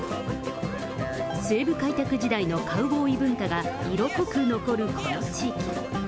西部開拓時代のカウボーイ文化が色濃く残るこの地域。